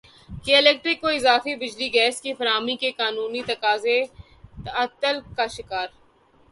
کے الیکٹرک کو اضافی بجلی گیس کی فراہمی کے قانونی تقاضے تعطل کا شکار